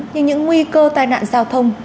nhưng những nguy cơ tai nạn giao thông